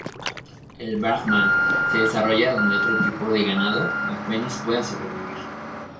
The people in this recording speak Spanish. El brahman se desarrolla donde otro tipo de ganado apenas pueda sobrevivir.